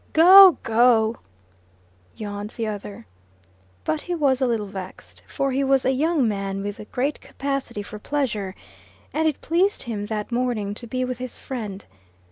"Go, go!" yawned the other. But he was a little vexed, for he was a young man with great capacity for pleasure, and it pleased him that morning to be with his friend.